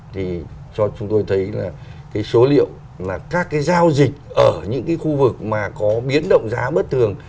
thì cho chúng tôi thấy là cái số liệu là các cái giao dịch ở những cái khu vực mà có biến động giá bất thường